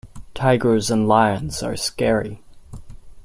Tigers and lions are scary.